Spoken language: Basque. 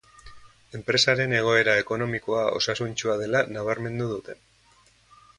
Enpresaren egoera ekonomikoa osasuntsua dela nabarmendu dute.